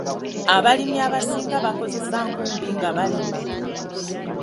Abalimi abasinga bakozesa nkumbi nga balima.